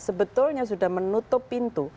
sebetulnya sudah menutup pintu